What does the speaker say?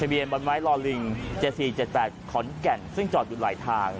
ทะเบียนบรรไม้รอลิงเจสสี่เจสแปดขอนแก่นซึ่งจอดอยู่หลายทาง